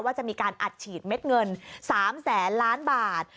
ว่าจะมีการอัดฉีดเม็ดเงิน๓แสนล้านบาท